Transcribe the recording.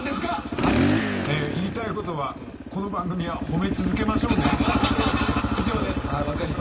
言いたいことはこの番組は褒め続けましょうね以上です。